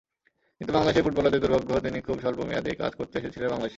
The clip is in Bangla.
কিন্তু বাংলাদেশের ফুটবলারদের দুর্ভাগ্য তিনি খুব স্বল্প মেয়াদেই কাজ করতে এসেছিলেন বাংলাদেশে।